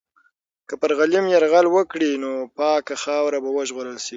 که پر غلیم یرغل وکړي، نو پاکه خاوره به وژغورل سي.